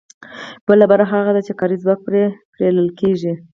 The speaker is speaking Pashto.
بله برخه هغه ده چې کاري ځواک پرې پېرل کېږي